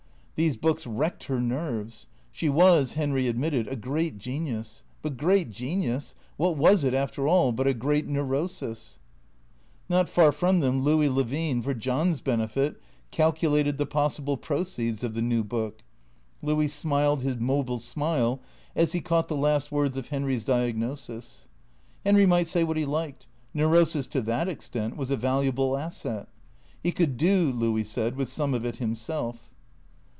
These books wrecked her nerves. She was, Henry admitted, a great genius; but great genius, what was it, after all, but a great Neurosis ? Not far from them Louis Levine, for John's benefit, calcu lated the possible proceeds of the new book. Louis smiled his mobile smile as he caught the last words of Henry's diagnosis. Henry might say what he liked. Neurosis, to that extent, was a valuable asset. He could do, Louis said, with some of it him self.